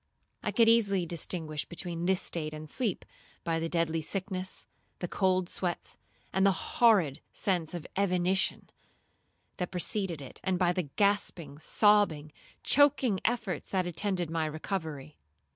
I could easily distinguish between this state and sleep, by the deadly sickness, the cold sweats, and the horrid sense of evanition, that preceded it, and by the gasping, sobbing, choaking efforts that attended my recovery.